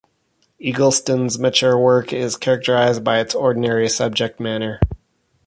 Eggleston's mature work is characterized by its ordinary subject-matter.